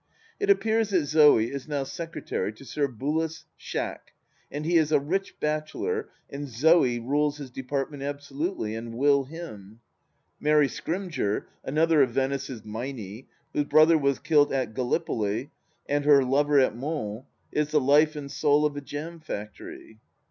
It appears that ZoE is now secretary to Sir Bullace Schack, and he is a rich bachelor and ZoS rules his department absolutely, and will him. Mary Scrymgeour, another of Venice's Meinie, whose brother was killed in Gallipoli and her lover at Mons, is the life and soul of a jam factory.